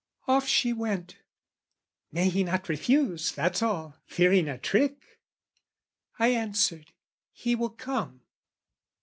Off she went "May he not refuse, that's all "Fearing a trick!" I answered, "He will come."